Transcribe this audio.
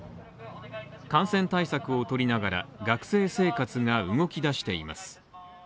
感染対策を取りながら学生生活が動き出しています。